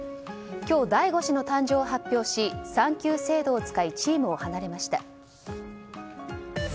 今日、第５子の誕生を発表し産休制度を使いチームを離れました。